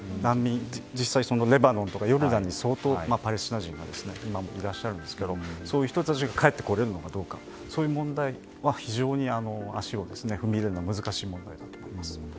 実際にレバノンやヨルダンにパレスチナ人が今もいらっしゃるんですけどそういう人たちが帰ってこれるのかどうかそういう問題は非常に足を踏み入れるのには難しい問題があります。